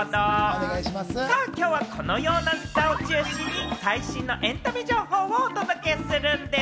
さぁ、今日はこのようなネタを中心に最新のエンタメ情報をお届けするんでぃす。